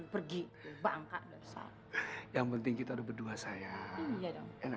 pergi bangka yang penting kita berdua sayang